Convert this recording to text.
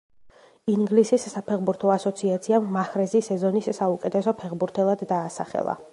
ინგლისის საფეხბურთო ასოციაციამ მაჰრეზი სეზონის საუკეთესო ფეხბურთელად დაასახელა.